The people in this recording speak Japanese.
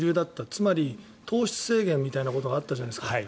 つまり糖質制限みたいなことがあったじゃないですか。